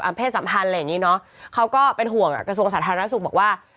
เพศสัมพันธ์อะไรอย่างงี้เนอะเขาก็เป็นห่วงกระทรวงสาธารณสุขบอกว่า